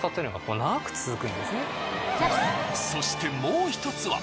そしてもう１つは。